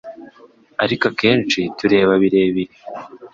ariko akenshi tureba birebire